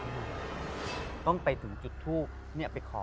พี่ยังไม่ได้เลิกแต่พี่ยังไม่ได้เลิก